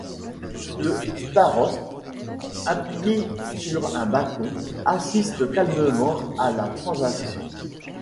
Le staroste, appuyé sur un bâton, assiste calmement à la transaction.